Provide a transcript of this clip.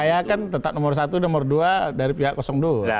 yang kaya kan tetap nomor satu nomor dua dari pihak kosong dulu